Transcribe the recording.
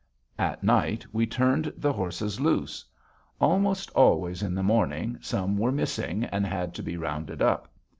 At night, we turned the horses loose. Almost always in the morning, some were missing, and had to be rounded up.